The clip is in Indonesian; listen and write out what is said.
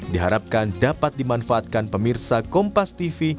diharapkan dapat dimanfaatkan pemirsa kompas tv